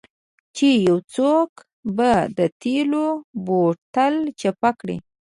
چې یو څوک به د تیلو بوتل چپه کړي